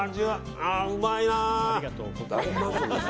うまいな。